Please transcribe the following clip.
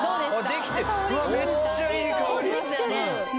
できてるわっめっちゃいい香り